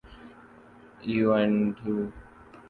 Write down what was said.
ایوانڈو